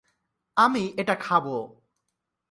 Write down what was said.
আমি এটা খাবো।